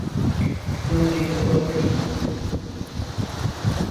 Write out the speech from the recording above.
شونډې ښکل کړي